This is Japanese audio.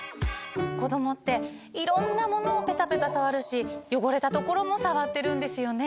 こどもっていろんなものをペタペタ触るし汚れた所も触ってるんですよね。